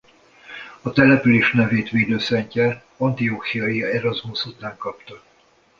A település nevét védőszentje Antiochiai Erasmus után kapta.